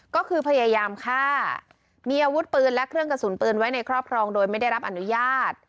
ก็คือพยายามฆ่ามีอาวุธปืนและเครื่องกระสุนปืนไว้ในครอบครองโดยไม่ได้รับอนุญาต